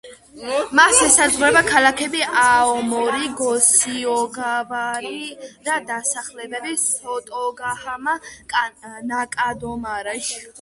მას ესაზღვრება ქალაქები აომორი, გოსიოგავარა, დასახლებები სოტოგაჰამა, ნაკადომარი.